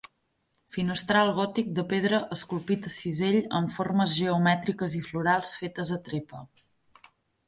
Finestral gòtic de pedra esculpit a cisell amb formes geomètriques i florals fetes a trepa.